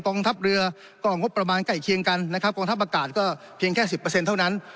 ทัพเรือก็งบประมาณใกล้เคียงกันนะครับกองทัพอากาศก็เพียงแค่สิบเปอร์เซ็นต์เท่านั้น